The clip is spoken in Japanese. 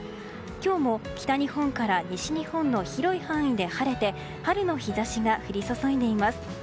今日も北日本から西日本の広い範囲で晴れて春の日差しが降り注いでいます。